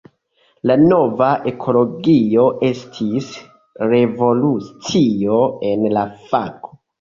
La nova ekologio estis revolucio en la fako.